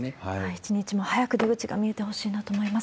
一日も早く出口が見えてほしいなと思います。